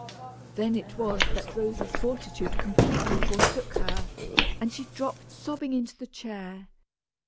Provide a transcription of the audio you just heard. Then it was that Rosy's fortitude completely forsook her, and she dropped sobbing into the chair.